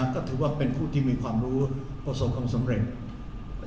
ก็ถือว่าเป็นผู้ที่มีความรู้ประสบความสำเร็จ